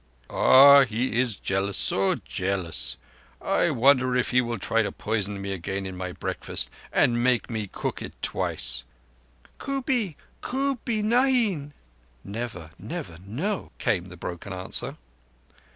"Ah! He is jealous, so jealous. I wonder if he will try to poison me again in my breakfast, and make me cook it twice. "Kubbee—kubbee nahin," came the broken answer.